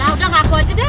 udah gak aku aja deh